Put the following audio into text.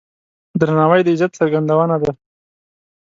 درناوی د عزت څرګندونه ده.